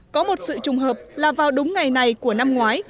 có một sự trùng hợp là vào đúng ngày này của năm ngoái